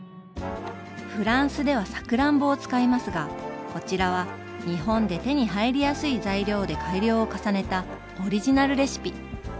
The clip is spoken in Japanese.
フランスではさくらんぼを使いますがこちらは日本で手に入りやすい材料で改良を重ねたオリジナルレシピ。